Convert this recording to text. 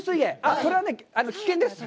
それは危険です。